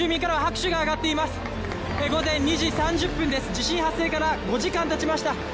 地震発生から５時間たちました